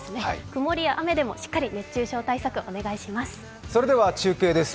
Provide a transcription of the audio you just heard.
曇りや雨でもしっかり熱中症対策をお願いします。